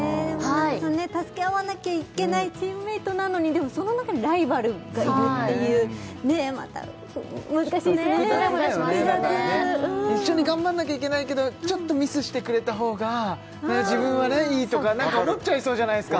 助け合わなきゃいけないチームメートなのにでもその中にライバルがいるっていうねえまた難しいですね複雑複雑だよねだからね一緒に頑張んなきゃいけないけどちょっとミスしてくれた方が自分はねいいとかなんか思っちゃいそうじゃないですか